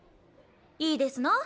いいですの？